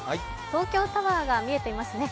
東京タワーが見えていますね。